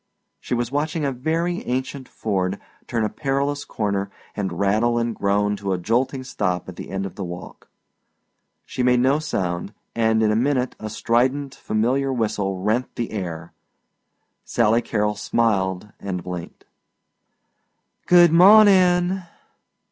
She was watching a very ancient Ford turn a perilous corner and rattle and groan to a jolting stop at the end of the walk. See made no sound and in a minute a strident familiar whistle rent the air. Sally Carrol smiled and blinked. "Good mawnin'."